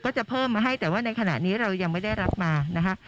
จะเพิ่มมาให้แต่ว่าในขณะนี้เรายังไม่ได้รับมานะคะ